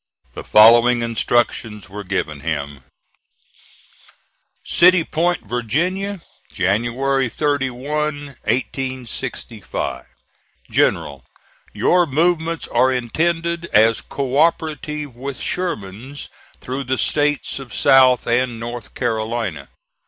The following instructions were given him: "CITY POINT, VA., January 31, 1865. "GENERAL: Your movements are intended as co operative with Sherman's through the States of South and North Carolina.